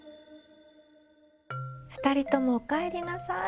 ふたりともおかえりなさい。